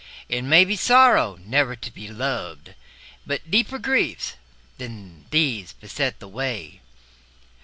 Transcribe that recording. It may be sorrow never to be loved, But deeper griefs than these beset the way.